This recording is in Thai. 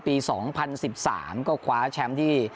ปี๒๐๑๓ก็คว้าแชมป์ที่